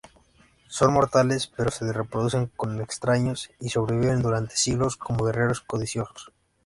Son mortales, pero se reproducen con extraños y sobreviven durante siglos como guerreros codiciosos.